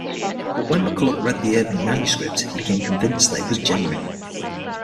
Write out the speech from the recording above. But when McCulloch read the Irving manuscript, he became convinced that it was genuine.